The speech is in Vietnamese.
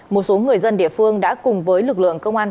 một số người dân địa phương đã cùng với lực lượng công an